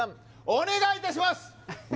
お願いいたします！